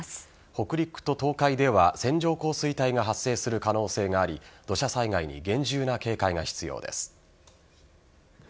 北陸と東海では線状降水帯が発生する可能性があり土砂災害に厳重な警戒が必要です。